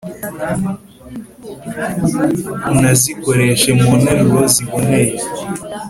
unazikoreshe mu nteruro ziboneye